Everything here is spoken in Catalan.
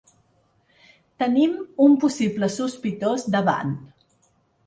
Tenim un possible sospitós davant.